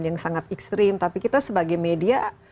yang sangat ekstrim tapi kita sebagai media